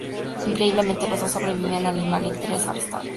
Increíblemente, los dos sobreviven y Hannibal Lecter es arrestado.